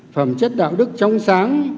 phẩm chất đạo đức trong sáng